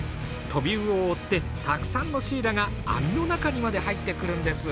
トビウオを追ってたくさんのシイラが網の中にまで入ってくるんです。